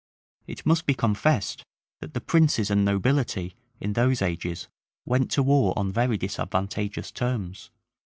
It must be confessed, that the princes and nobility, in those ages, went to war on very disadvantageous terms.